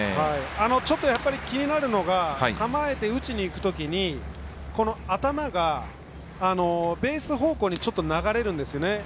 ちょっと気になるのが構えて打ちにいくときに頭がベース方向にちょっと流れるんですよね。